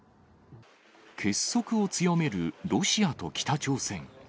結束を強めるロシアと北朝鮮。